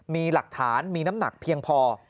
มีหลักฐานมีน้ำหนักเพียงพอ